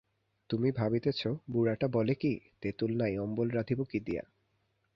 তুমি ভাবিতেছ, বুড়াটা বলে কী-তেঁতুল নাই, অম্বল রাঁধিব কি দিয়া?